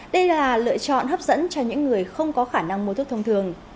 đây là lựa chọn hấp dẫn cho những người không có khả năng mua thuốc thông thường